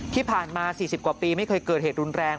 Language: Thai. ที่ผ่านมา๔๐กว่าปีไม่เคยเกิดเหตุรุนแรง